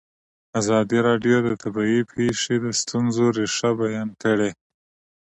ازادي راډیو د طبیعي پېښې د ستونزو رېښه بیان کړې.